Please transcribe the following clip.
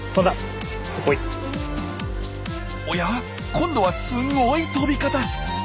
今度はすごい飛び方。